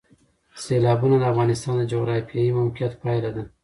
سیلابونه د افغانستان د جغرافیایي موقیعت پایله ده.